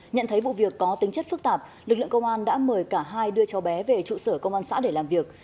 nhận thấy vụ việc có tính chất phức tạp lực lượng công an đã mời cả hai đưa cháu bé về trụ sở công an xã để làm việc